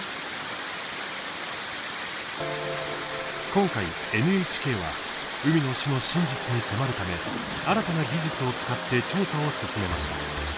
今回、ＮＨＫは海の死の真実に迫るため新たな技術を使って調査を進めました。